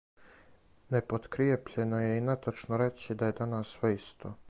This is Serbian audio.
Непоткријепљено је и нетачно рећи да је данас све исто.